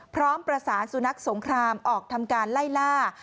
พร้อมประสานสุนัขสงครามออกทำการไล่ล่า